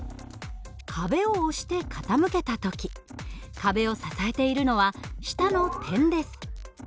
壁を押して傾けた時壁を支えているのは下の点です。